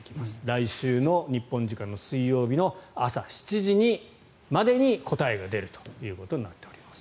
来週の日本時間の水曜日の朝７時までに答えが出るということになります。